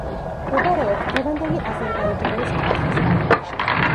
მდებარეობს დღევანდელი აზერბაიჯანის კახის რაიონში.